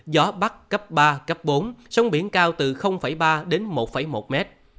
gió bắc cấp ba bốn sông biển cao từ ba một một m